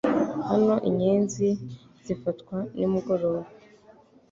Hano inyenzi zifatwa nimugoroba;